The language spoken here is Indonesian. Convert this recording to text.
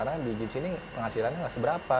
karena di sini penghasilannya nggak seberapa